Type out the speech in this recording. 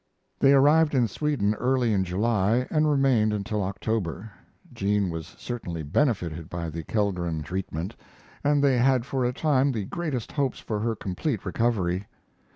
They arrived in Sweden early in July and remained until October. Jean was certainly benefited by the Kellgren treatment, and they had for a time the greatest hopes of her complete recovery.